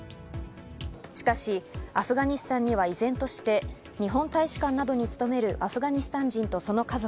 しかし、アフガニスタンには依然として日本大使館などに勤めるアフガニスタン人とその家族